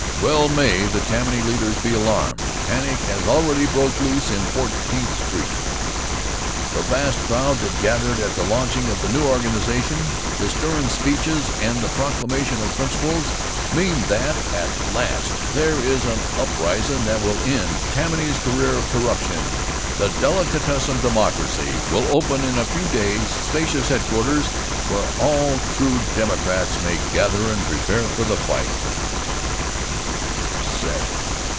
Well may the Tammany leaders be alarmed; panic has already broke loose in Fourteenth Street. The vast crowd that gathered at the launching of the new organization, the stirrin' speeches and the proclamation of principles mean that, at last, there is an uprisin' that will end Tammany's career of corruption. The Delicatessen Democracy will open in a few days spacious headquarters where all true Democrats may gather and prepare for the fight."